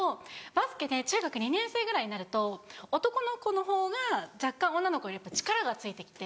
バスケ中学２年生ぐらいになると男の子のほうが若干女の子より力がついて来て。